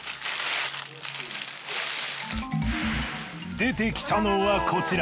出てきたのはこちら。